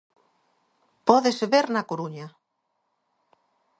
Pódese ver na Coruña.